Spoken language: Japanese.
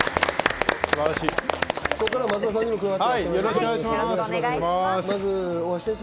ここからは松田さんにも伺っていきます。